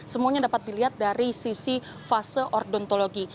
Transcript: semuanya dapat dilihat dari sisi fase ordontologi